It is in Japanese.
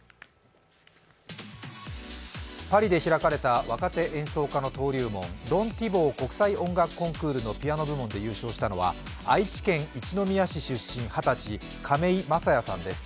パリで開かれた若手演奏家の登竜門、ロン・ティボー国際音楽コンクールのピアノ部門で優勝したのは愛知県一宮市出身、２０歳、亀井聖矢さんです。